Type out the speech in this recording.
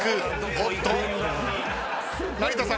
おっと。